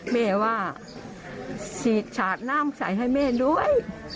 แม่ว่าฉีดฉาดน้ำใส่ให้แม่ด้วย